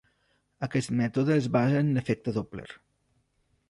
Aquest mètode es basa en l'efecte Doppler.